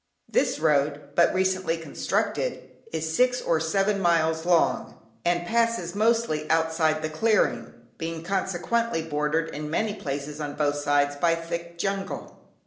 This road, but recently constructed, is six or seven miles long, and passes mostly outside the clearing, being consequently bordered in many places on both sides by thick jungle.